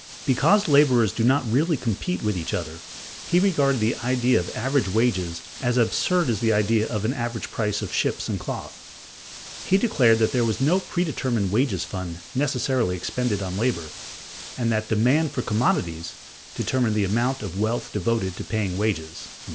Because laborers do not really compete with each other, he regarded the idea of average wages as absurd as the idea of an average price of ships and cloth; he declared that there was no predetermined wages fund necessarily expended on labor; and that "demand for commodities" determined the amount of wealth devoted to paying wages (p.